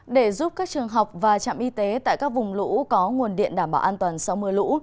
để giúp các trường học và trạm y tế tại các vùng lũ có nguồn điện đảm bảo an toàn sau mưa lũ